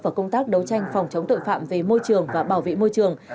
và công tác đấu tranh phòng chống tội phạm về môi trường và bảo vệ môi trường